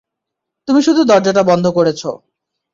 তুমি শুধু দরজাটা বন্ধ করেছ!